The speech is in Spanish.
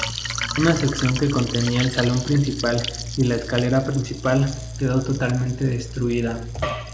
Una sección que contenía el salón principal y la escalera principal, quedó totalmente destruida.